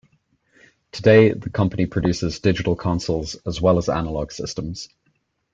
Today, the company produces digital consoles as well as analogue systems.